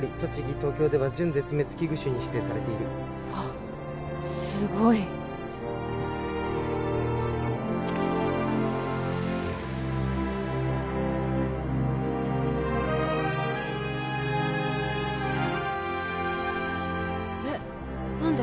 東京では準絶滅危惧種に指定されているわっすごいえっ何で？